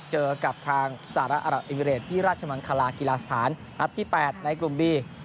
เจอกับทางสหรัฐอรับเอมิเรตที่ราชมังคลากีฬาสถานนัดที่๘ในกลุ่มบี